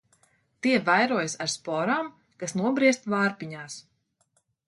Tie vairojas ar sporām, kas nobriest vārpiņās.